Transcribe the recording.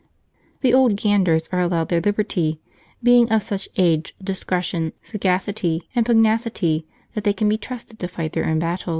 The old ganders are allowed their liberty, being of such age, discretion, sagacity, and pugnacity that they can be trusted to fight their own battles.